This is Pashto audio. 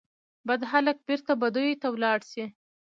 بد هلک بیرته بدیو ته ولاړ سي